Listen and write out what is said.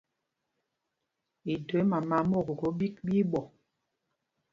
Idɔ í mama a mwɔk koko ɓîk, ɓí í ɓɔ.